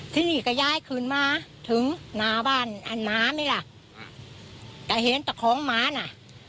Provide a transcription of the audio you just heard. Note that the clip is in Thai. ทีนี้ก็ย้ายคืนมาถึงหน้าบ้านอันหมานี่ล่ะก็เห็นแต่ของหมาน่ะ